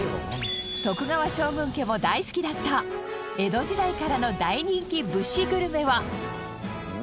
徳川将軍家も大好きだった江戸時代からの大人気武士グルメは。